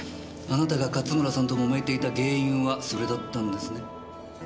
あなたが勝村さんと揉めていた原因はそれだったんですね？